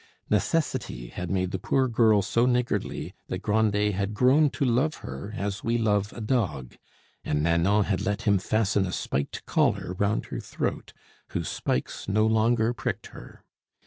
Necessity had made the poor girl so niggardly that Grandet had grown to love her as we love a dog, and Nanon had let him fasten a spiked collar round her throat, whose spikes no longer pricked her.